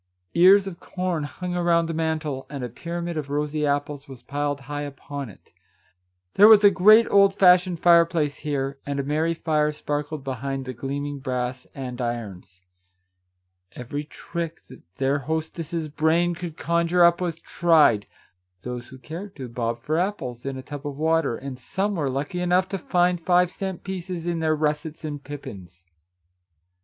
Ears of corn hung around the mantel, and a pyramid of rosy apples was piled high upon it. There was a great old fashioned fireplace here, and a merry fire sparkled behind the gleaming brass andirons. Every trick that their hostess's brain could conjure up was tried. Those who cared to, bobbed for apples in a tub of water, and some were lucky enough to find five cent pieces in their russets and pippins.